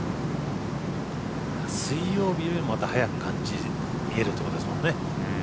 水曜日よりもまた早く見えるってことですもんね。